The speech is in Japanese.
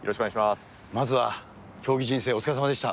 まずは競技人生、お疲れさまでした。